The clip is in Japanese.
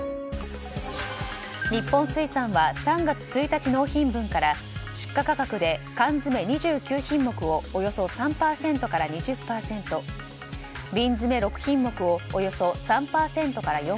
日本水産は３月１日納品分から出荷価格で缶詰２９品目をおよそ３％から２０％。